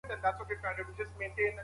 کالي بې ګنډلو نه اغوستل کېږي.